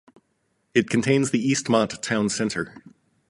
It contains the Eastmont Town Center.